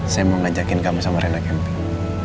saya mau ngajakin kamu sama rela camping